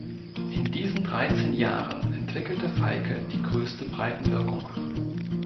In diesen dreizehn Jahren entwickelte Falke die größte Breitenwirkung.